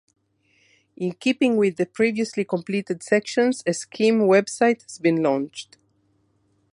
In keeping with the previously completed sections, a scheme website has been launched.